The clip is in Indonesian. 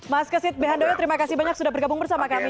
mas kesit behandoyo terima kasih banyak sudah bergabung bersama kami